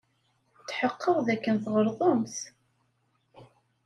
Tḥeqqeɣ dakken tɣelḍemt.